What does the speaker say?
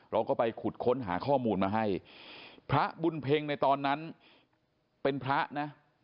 เราก็ไปขุดค้นหาข้อมูลมาให้พระบุญเพ็งในตอนนั้นเป็นพระนะ